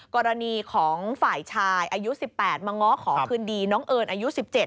กรณีของฝ่ายชายอายุ๑๘มาง้อขอคืนดีน้องเอิญอายุ๑๗